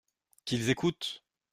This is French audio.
Qu’ils écoutent !